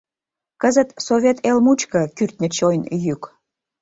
Кызыт Совет эл мучко — кӱртньӧ-чойн йӱк.